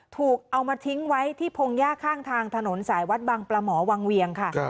ถูกเอามาทิ้งไว้ที่พงหญ้าข้างทางถนนสายวัดบังปลาหมอวังเวียงค่ะ